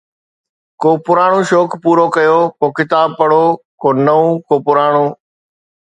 ڪو پراڻو شوق پورو ڪيو، ڪو ڪتاب پڙهو، ڪو نئون، ڪو پراڻو